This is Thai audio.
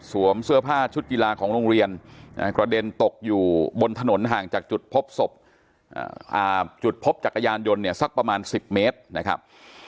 เสื้อผ้าชุดกีฬาของโรงเรียนกระเด็นตกอยู่บนถนนห่างจากจุดพบศพจุดพบจักรยานยนต์เนี่ยสักประมาณ๑๐เมตรนะครับ